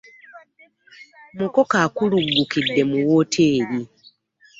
Mukoka akuluggukidde mu wooteeri.